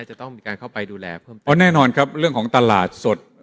จะต้องมีการเข้าไปดูแลเพิ่มเพราะแน่นอนครับเรื่องของตลาดสด